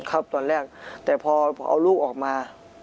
ครับตอนแรกแต่พอเอาลูกออกมา